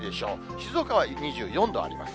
静岡は２４度あります。